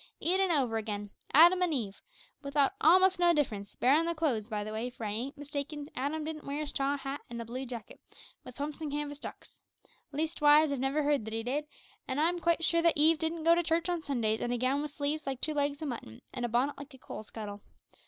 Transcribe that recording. Eden over again; Adam an' Eve, without a'most no difference, barrin' the clo'se, by the way, for if I ain't mistaken, Adam didn't wear a straw hat and a blue jacket, with pumps and canvas ducks. Leastwise, I've never heard that he did; an' I'm quite sure that Eve didn't go to church on Sundays in a gown wi' sleeves like two legs o' mutton, an' a bonnet like a coal scuttle.